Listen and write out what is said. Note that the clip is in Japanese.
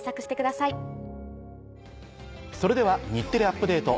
それでは『日テレアップＤａｔｅ！』